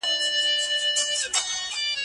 د دې شهید وطن په برخه څه زامن راغلي